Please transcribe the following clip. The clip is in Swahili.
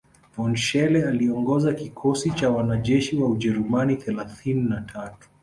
von Schele aliongoza kikosi cha wanajeshi wa Ujerumani thelathini na tatu